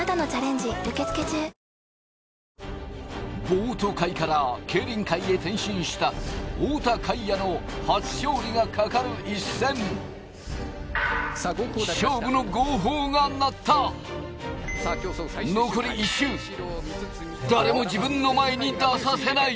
ボート界から競輪界へ転身した太田海也の初勝利が懸かる一戦勝負の号砲が鳴った誰も自分の前に出させない